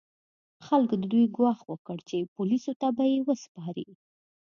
خلکو د دوی ګواښ وکړ چې پولیسو ته به یې وسپاري.